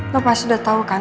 kamu pasti tahu bukan